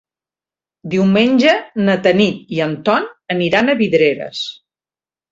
Diumenge na Tanit i en Ton aniran a Vidreres.